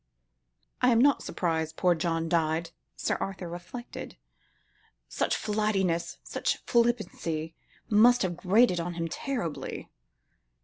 "I am not surprised poor John died," Sir Arthur reflected; "such flightiness, such flippancy, must have grated on him terribly."